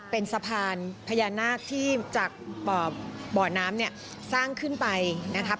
เป็นสะพานพญานาคที่จากบ่อน้ำเนี่ยสร้างขึ้นไปนะครับ